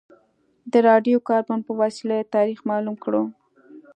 د راډیو کاربن په وسیله یې تاریخ معلوم کړو.